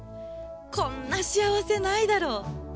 こんな幸せないだろ！